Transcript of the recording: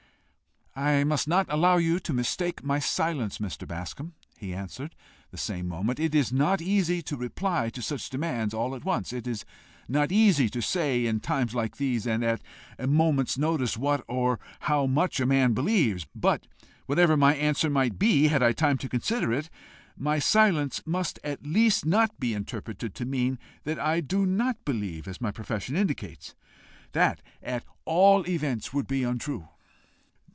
"I must not allow you to mistake my silence, Mr. Bascombe," he answered the same moment. "It is not easy to reply to such demands all at once. It is not easy to say in times like these, and at a moment's notice, what or how much a man believes. But whatever my answer might be had I time to consider it, my silence must at least not be interpreted to mean that I do NOT believe as my profession indicates. That, at all events, would be untrue."